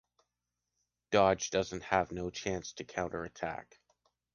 Dodge doesn't have no chance to counterattack.